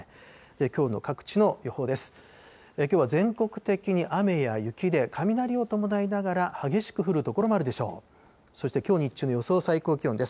きょうの各地の予報です。